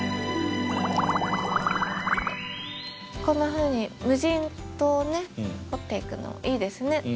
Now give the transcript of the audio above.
こんなふうに無人島をね掘っていくのいいですね。